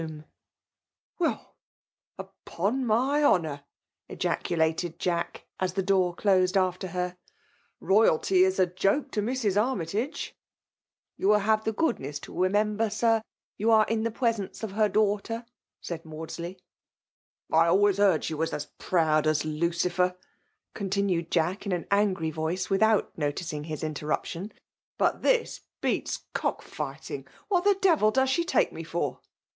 M Weil— Open my honoorr gacdated Jack, .176 FEMALE DOMINATION. I • as the door closed after her, " Royalty is ajoke to Mrs. Armytagei '* ''You will liave the goodness to remem ber« Sir, that you are in the presence of her daughter/* said Maudsley^ I always heard she was as proud as Lucir i }er/' continued Jack^ in an angry voice, without noticing his interruption^ " but this beats cocV £ghting ! What the devil does she take me for?"